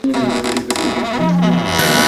এটি নম্বর খাই প্রদেশের রাজধানী।